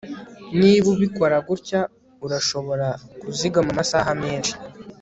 niba ubikora gutya, urashobora kuzigama amasaha menshi